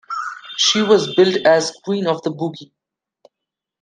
She was billed as "Queen of the Boogie".